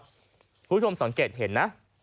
คุณผู้ชมสังเกตเห็นนะ